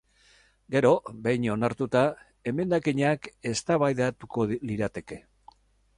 Gero, behin onartuta, emendakinak eztabaidatuko lirateke.